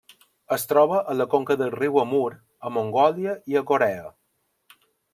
Es troba a la conca del riu Amur, a Mongòlia i a Corea.